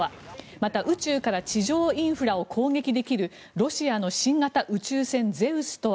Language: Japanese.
また、宇宙から地上インフラを攻撃できるロシアの新型宇宙船ゼウスとは。